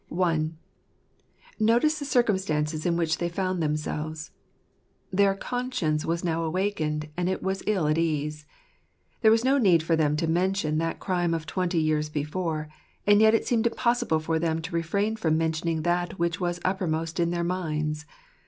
io8 Joseph making himself hitcfam. I. Notice the Circumstances in which they Found Themselves. Their conscience was now awakened , and it was til at ease. There, was no need for them to mention that crime of twenty years before; and yet it seemed impossible for them to refrain from mentioning that which was uppermost in their minds.